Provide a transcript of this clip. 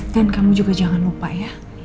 dan kamu juga jangan lupa ya